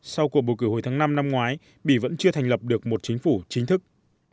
sau cuộc bầu cử hồi tháng năm năm ngoái bỉ vẫn chưa thành lập được một chính phủ chính thức